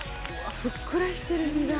ふっくらしてる身が。